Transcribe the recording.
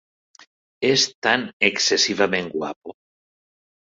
És tan excessivament guapo!